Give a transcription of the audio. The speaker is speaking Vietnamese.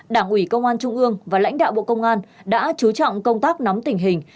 đảng ủy công an trung ương và lãnh đạo bộ công an đã chú trọng công tác nắm tình hình